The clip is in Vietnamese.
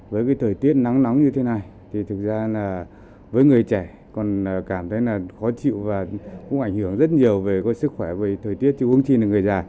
với thời tiết nắng nóng như thế này thì thực ra là với người trẻ còn cảm thấy khó chịu và cũng ảnh hưởng rất nhiều về sức khỏe về thời tiết chịu uống chi là người già